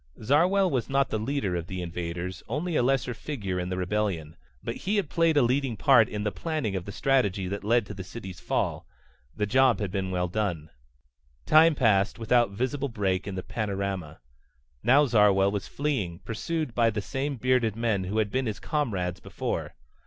Zarwell was not the leader of the invaders, only a lesser figure in the rebellion. But he had played a leading part in the planning of the strategy that led to the city's fall. The job had been well done. Time passed, without visible break in the panorama. Now Zarwell was fleeing, pursued by the same bearded men who had been his comrades before.